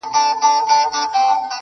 د قهر کاڼی پء ملا باندې راوښويدی_